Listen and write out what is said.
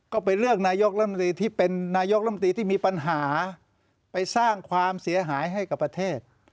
ก็ไปเลือกนายกรัฐมนตรีที่เป็นนายกรรมตรีที่มีปัญหาไปสร้างความเสียหายให้กับประเทศ